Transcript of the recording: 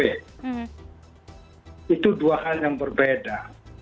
itu dua hal yang berbeda